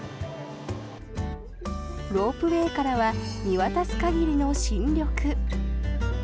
ロープウェーからは見渡す限りの新緑。